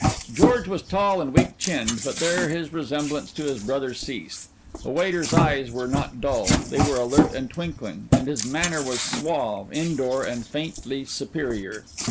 George was tall and weak chinned, but there his resemblance to his brother ceased. The waiter's eyes were not dull, they were alert and twinkling, and his manner was suave, in door, and faintly superior.